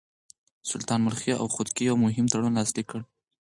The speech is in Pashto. سلطان ملخي او خودکي يو مهم تړون لاسليک کړ.